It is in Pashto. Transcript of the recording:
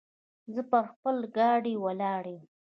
زه پر خپل ګای ولاړ يم.